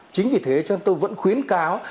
chính vì thế cho tôi vẫn khuyến cáo